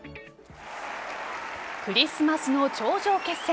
クリスマスの頂上決戦。